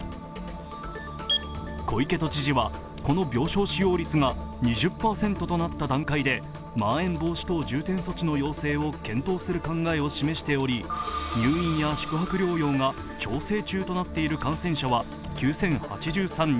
小池都知事はこの病床使用率が２０％となった段階でまん延防止等重点措置の要請を検討する考えを示しており、入院や宿泊療養が調整中となっている感染者は９０８３人。